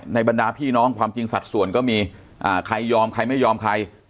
บรรดาพี่น้องความจริงสัดส่วนก็มีใครยอมใครไม่ยอมใคร